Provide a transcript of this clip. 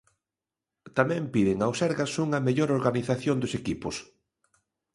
Tamén piden ao Sergas unha mellor organización dos equipos.